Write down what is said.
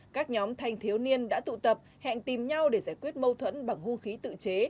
các nhóm thanh thiếu niên đã tụ tập hẹn tìm nhau để giải quyết mâu thuẫn bằng hung khí tự chế